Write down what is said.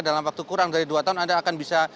dalam waktu kurang dari dua tahun anda akan bisa